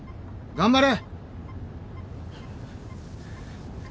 頑張れ！